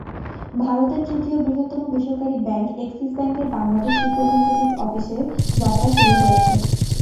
ভারতের তৃতীয় বৃহত্তম বেসরকারি ব্যাংক এক্সিস ব্যাংকের বাংলাদেশ রিপ্রেজেনটেটিভ অফিসের যাত্রা শুরু হয়েছে।